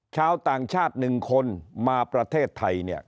ชาวต่างชาติ๑คนมาประเทศไทยเนี่ย